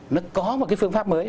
nó có một cái phương pháp mới